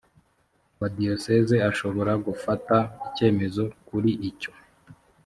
wa diyosezi ashobora gufata icyemezo kuri icyo